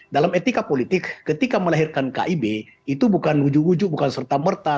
dalam etika politik ketika melahirkan kib itu bukan ujuk ujug bukan serta merta